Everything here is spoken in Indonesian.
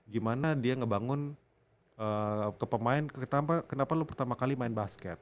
gimana dia ngebangun ke pemain kenapa lo pertama kali main basket